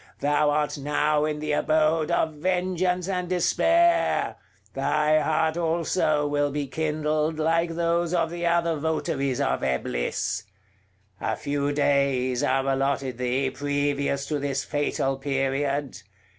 thou art now in the abode of vengeance and despair; thy heart also will be kindled, like those of the other votaries of Eblis. A few days are allotted thee previous to this fatal period.